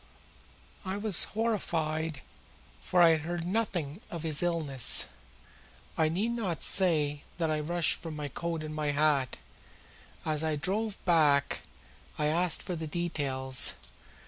I was horrified for I had heard nothing of his illness. I need not say that I rushed for my coat and my hat. As we drove back I asked for the details.